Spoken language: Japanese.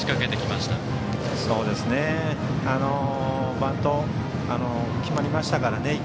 １回、バントが決まりましたからね。